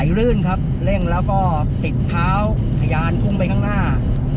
ลื่นครับเร่งแล้วก็ปิดเท้าทะยานพุ่งไปข้างหน้า